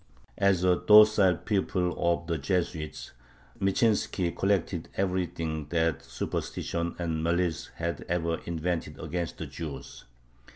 As a docile pupil of the Jesuits, Michinski collected everything that superstition and malice had ever invented against the Jews.